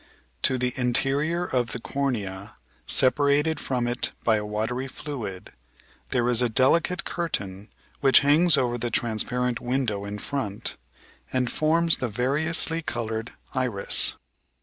To the interior of the cornea, separated from it by a watery fluid, there is a delicate curtain which hangs over the transparent "window" in front and forms the variously coloured iris.